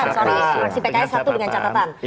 fraksi pki satu dengan catatan